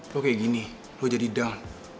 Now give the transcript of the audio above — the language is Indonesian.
lo kayak gini lo jadi dar